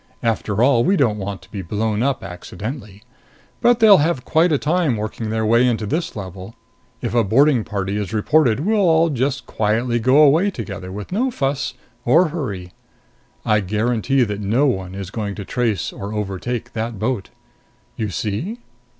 After all, we don't want to be blown up accidentally. But they'll have quite a time working their way into this level. If a boarding party is reported, we'll just all quietly go away together with no fuss or hurry. I guarantee that no one is going to trace or overtake that boat. You see?"